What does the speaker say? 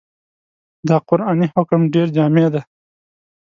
دا قرآني حکم ډېر جامع دی.